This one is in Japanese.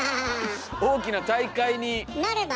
大きな大会になれば。